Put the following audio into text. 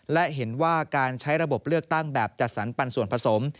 และเห็นว่าการใช้ระบบเลือกตั้งแบบจัดสรรปันส่วนผสม